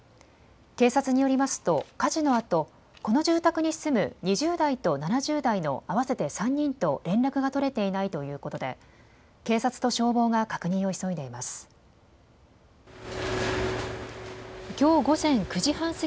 警察によりますと火事のあと、この住宅に住む２０代と７０代の合わせて３人と連絡が取れていないということで警察と消防が確認を急いでいます。